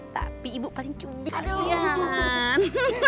tapi ibu paling cunggih kalian